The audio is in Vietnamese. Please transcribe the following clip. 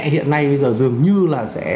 hiện nay bây giờ dường như là sẽ